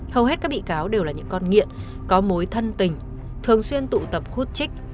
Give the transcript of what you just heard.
hầu hết các bị cáo đều là những con nghiện có mối thân tình thường xuyên tụ tập khuất trích